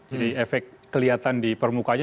jadi efek kelihatan di permukaannya